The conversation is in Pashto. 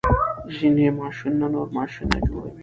ځینې ماشینونه نور ماشینونه جوړوي.